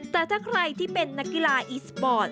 แต่ถ้าใครที่เป็นนักกีฬาอีสปอร์ต